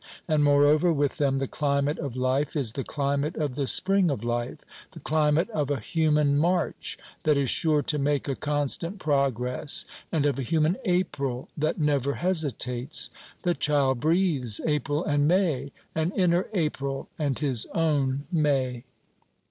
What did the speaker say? And, moreover, with them the climate of life is the climate of the spring of life; the climate of a human March that is sure to make a constant progress, and of a human April that never hesitates. The child "breathes April and May" an inner April and his own May.